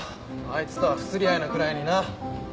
あいつとは不釣り合いなくらいにな。